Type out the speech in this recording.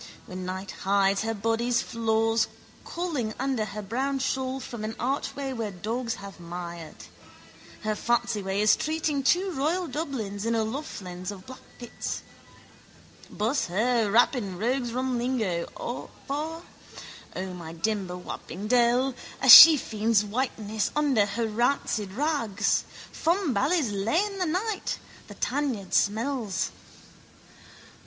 When night hides her body's flaws calling under her brown shawl from an archway where dogs have mired. Her fancyman is treating two Royal Dublins in O'Loughlin's of Blackpitts. Buss her, wap in rogues' rum lingo, for, O, my dimber wapping dell! A shefiend's whiteness under her rancid rags. Fumbally's lane that night: the tanyard smells.